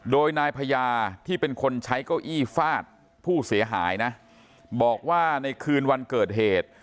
โดยนายพญาที่เป็นคนใช้เก้าอี้ฟาดผู้เสียหายนะบอกว่าในคืนวันเกิดเหตุ